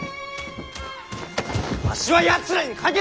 わしはやつらにかけたんじゃ！